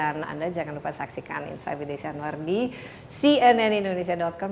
dan anda jangan lupa saksikan insight with desy anwar di cnnindonesia com